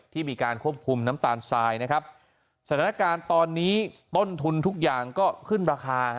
ที่มีการควบคุมน้ำตาลทรายนะครับสถานการณ์ตอนนี้ต้นทุนทุกอย่างก็ขึ้นราคา